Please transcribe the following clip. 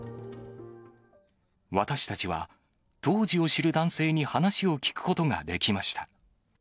私たちは、当時を知る男性に話を聞くことができました。